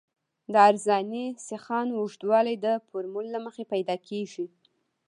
د عرضاني سیخانو اوږدوالی د فورمول له مخې پیدا کیږي